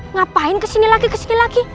ngapain kesini lagi kesini lagi